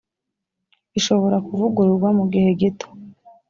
ishobora kuvugururwa mu gihe gito